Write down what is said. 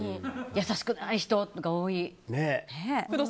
優しくない人が多い。